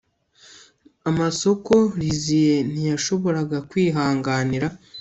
Amasoko Lizzie ntiyashoboraga kwihanganira